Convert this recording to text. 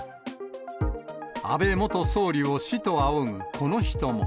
安倍元総理を師と仰ぐこの人も。